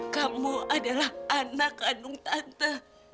kamu adalah anak kandung tante